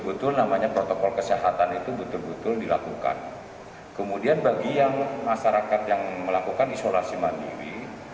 betul namanya protokol kesehatan itu betul betul dilakukan kemudian bagi yang masyarakat yang melakukan isolasi mandiri